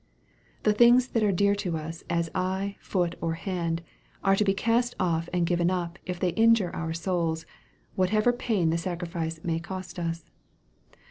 The things that are dear to us as eye; foot, or hand, are to be cast off and given up if they injure our souls, whatever pain the sacrifice may cost us.